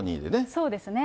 そうですね。